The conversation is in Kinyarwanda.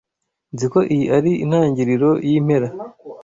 Nzi ko iyi ari intangiriro yimpera.